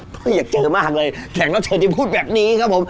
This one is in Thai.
อยากเจอมากเลยแขกรับเชิญจะพูดแบบนี้ครับผม